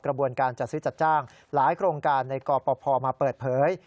กระบวนการจัดซื้อจัดจ้างหลายโครงการในกรปภมาเปิดเผย